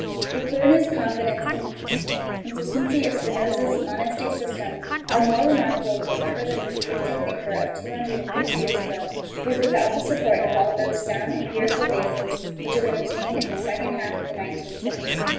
The clearness, confidence, and consistency of Spinoza's monistic system are the more remarkable when we remember that this gifted thinker of two hundred and fifty years ago was with out the support of all those sound empirical bases which have been obtained in the second half of the nineteenth century.